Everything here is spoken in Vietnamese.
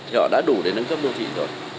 thì họ đã đủ để nâng cấp đô thị rồi